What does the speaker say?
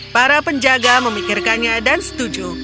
para penjaga memikirkannya dan setuju